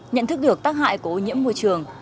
nhận thức được tác hại của ô nhiễm môi trường